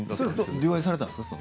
上映されたんですか。